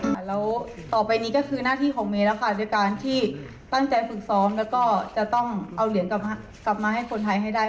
แล้วต่อไปนี้ก็คือหน้าที่ของเมย์แล้วค่ะด้วยการที่ตั้งใจฝึกซ้อมแล้วก็จะต้องเอาเหรียญกลับมาให้คนไทยให้ได้